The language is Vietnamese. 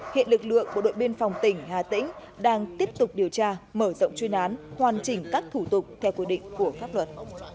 hiện lực lượng bộ đội biên phòng tỉnh hà tĩnh đang tiếp tục điều tra mở rộng chuyên án hoàn chỉnh các thủ tục theo quy định của pháp luật